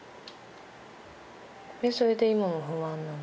それで今も不安なの？